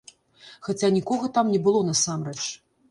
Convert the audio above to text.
Хаця нікога там не было насамрэч.